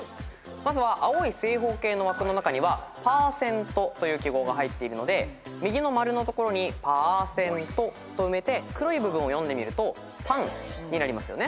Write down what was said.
まずは青い正方形の枠の中にはパーセントという記号が入っているので右の丸の所に「パーセント」と埋めて黒い部分を読んでみると「パン」になりますよね。